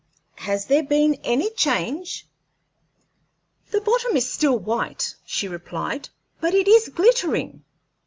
Has there been any change?" "The bottom is still white," she replied, "but it is glittering."